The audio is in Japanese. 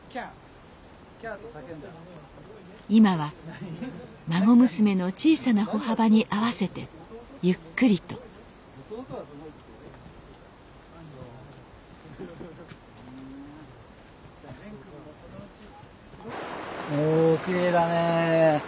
今は孫娘の小さな歩幅に合わせてゆっくりとおきれいだね。